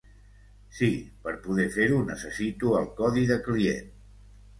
Sí, per poder fer-ho necessito el codi de client.